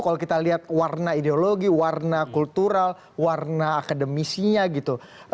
kalau kita lihat warna ideologi warna kultural warna akademisinya gitu